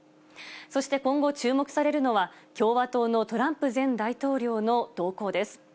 そして今後注目されるのは、共和党のトランプ前大統領の動向です。